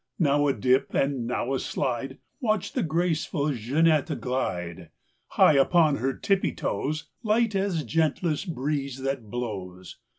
Now a dip and now a slide— Watch the graceful Jeanette glide! High upon her tippy toes, Light as gentlest breeze that blows.